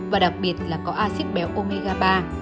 và đặc biệt là có acid béo omega ba